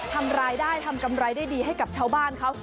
ทำรายได้ทำกำไรได้ดีให้กับชาวบ้านเขา